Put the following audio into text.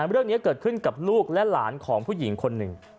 เรื่องนี้เกิดขึ้นกับลูกและหลานของผู้หญิงคนหนึ่ง